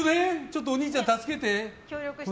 お兄ちゃん、助けて！